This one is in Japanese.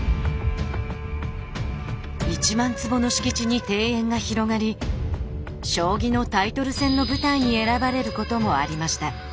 １万坪の敷地に庭園が広がり将棋のタイトル戦の舞台に選ばれることもありました。